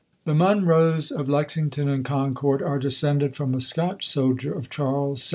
The Munroes of Lexington and Concord are descended from a Scotch soldier of Charles II.'